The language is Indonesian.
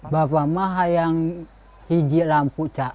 bapak saya ingin memiliki lampu yang berlalu